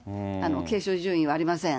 継承順位はありません。